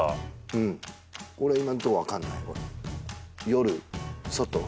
うん俺今んとこ分かんない夜外？